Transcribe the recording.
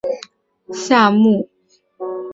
鸭嘴龙形类是群衍化的鸟脚下目。